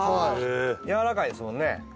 やわらかいですもんね殻が。